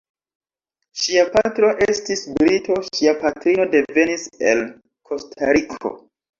Ŝia patro estis brito, ŝia patrino devenis el Kostariko.